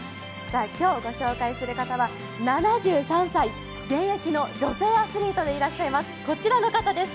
今日ご紹介する方は７３歳、現役の女性アスリートでいらっしゃいますこちらの方です。